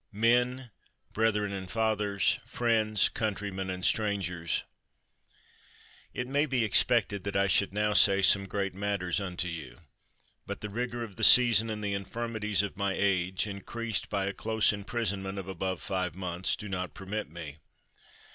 Men, Brethren, and Fathers ; Friends, Coun trymen, and Strangers: — It may be expected that I should now say some great matters unto you ; but the rigor of the season and the infirmi ties of my age, increased by a close imprison ment of above five months, do not permit me.